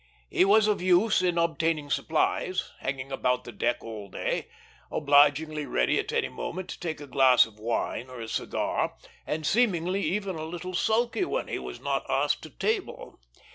He was of use in obtaining supplies, hanging about the deck all day, obligingly ready at any moment to take a glass of wine or a cigar, and seemingly even a little sulky that he was not asked to table.